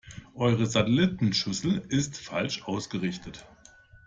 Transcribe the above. Eure Satellitenschüssel ist falsch ausgerichtet.